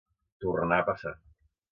Tornar a passar.